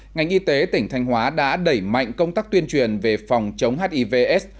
ngành y tế tỉnh thanh hóa đã đẩy mạnh công tác tuyên truyền về phòng chống hiv aids